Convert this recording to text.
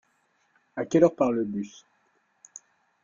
À quelle heure part le bus ?